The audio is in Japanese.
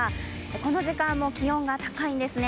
この時間も気温が高いんですね。